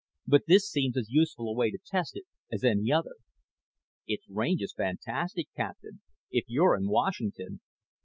But this seems as useful a way to test it as any other." "It's range is fantastic, Captain if you're in Washington."